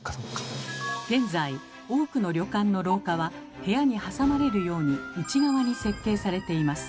現在多くの旅館の廊下は部屋に挟まれるように内側に設計されています。